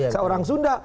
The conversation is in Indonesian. saya orang sunda